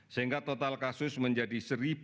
sehingga total kasus menjadi satu empat puluh enam